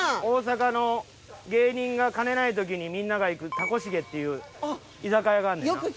大阪の芸人が金ない時にみんなが行く「たこしげ」っていう居酒屋があんねんな。